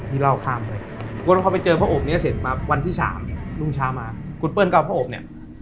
เล่าข้ามไปวนพอไปเจอพระอบนี้เสร็จมาวันที่สามรุ่งเช้ามาคุณเปิ้ลก็เอาพระอบเนี่ย